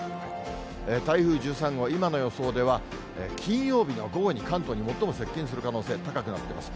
台風１３号、今の予想では、金曜日の午後に関東に最も接近する可能性、高くなっています。